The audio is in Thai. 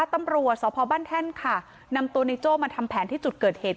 ตำรวจสพบ้านแท่นค่ะนำตัวในโจ้มาทำแผนที่จุดเกิดเหตุ